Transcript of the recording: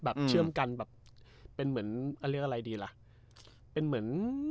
เชื่อมกันแบบเป็นเหมือนเรียกอะไรดีล่ะเป็นเหมือน